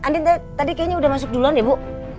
andin tadi kayaknya sudah masuk duluan ya bu